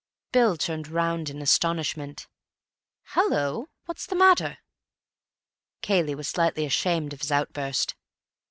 Bill turned round in astonishment. "Hallo, what's the matter?" Cayley was slightly ashamed of his outburst.